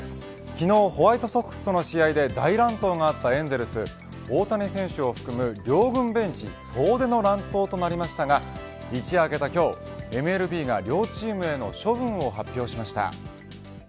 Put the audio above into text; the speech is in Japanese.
昨日、ホワイトソックスとの試合で大乱闘があったエンゼルス大谷選手を含む両軍ベンチ総出の乱闘となりましたが一夜明けた今日、ＭＬＢが両チームへの処分を発表しました。